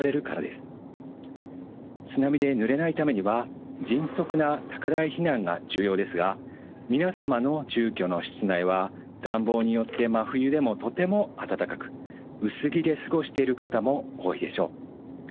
津波でぬれないためには迅速な高台避難が重要ですが皆様の住居の室内は暖房によって真冬でもとても暖かく薄着で過ごしている方も多いでしょう。